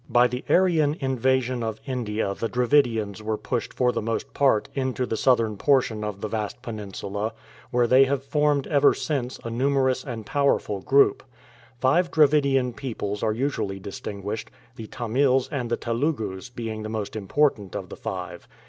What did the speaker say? By the Aryan invasion of India the Dravidians were pushed for the most part into the southern portion of the vast peninsula, where they have formed ever since a numerous and powerful group. Five Dravidian peoples are usually distinguished, the Tamils and the Telugus being the most important of the five.